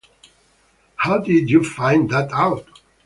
How did you find that out?